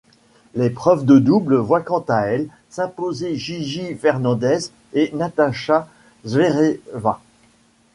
L'épreuve de double voit quant à elle s'imposer Gigi Fernández et Natasha Zvereva.